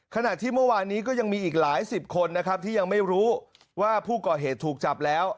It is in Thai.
ขณะที่เมื่อวานนี้ก็ยังมีอีกหลายสิบคนนะครับที่ยังไม่รู้ว่าผู้ก่อเหตุถูกจับแล้ว